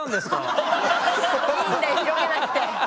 いいんだよ広げなくて。